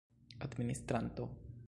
administranto